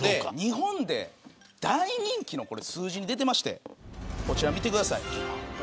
日本で大人気ということが数字に出ていましてこちら見てください。